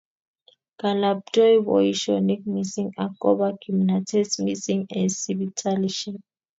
Kalabtoi boishinik mising akoba kimnatet mising eng sipitalishek